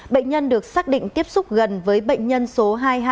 bệnh nhân được xác định tiếp xúc gần với bệnh nhân số hai nghìn hai trăm hai mươi chín